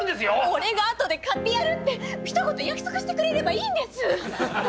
「俺があとで買ってやる」ってひと言約束してくれればいいんです！